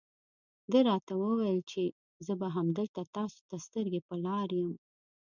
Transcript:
ده راته وویل چې زه به همدلته تاسو ته سترګې په لار یم.